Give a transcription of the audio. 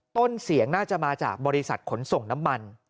ต้นเสียงน่าจะมาจากบริษัทขนส่งน้ำมัน